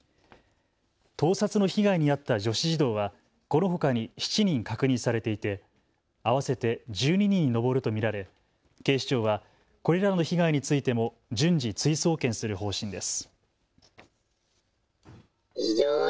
盗撮の被害に遭った女子児童はこのほかに７人確認されていて合わせて１２人に上ると見られ警視庁はこれらの被害についても順次、追送検する方針です。